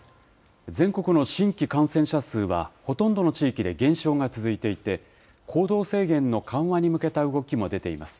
全国の新規感染者数はほとんどの地域で減少が続いていて、行動制限の緩和に向けた動きも出ています。